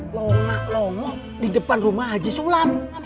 longak lengok di depan rumah haji sulam